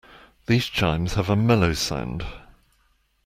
These chimes have a mellow sound.